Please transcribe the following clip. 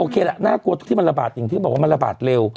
น่ากลัวทุกที่มันระบาดอย่างที่บอกว่ามันระบาดเร็ว